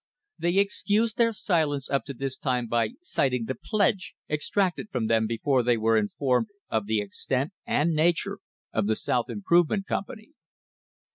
They excused their silence up to this time by citing the pledge * exacted from them before they were informed of the extent and nature of the South Improvement Company.